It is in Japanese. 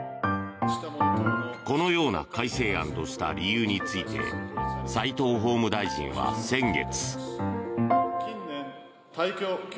このような改正案とした理由について齋藤法務大臣は先月。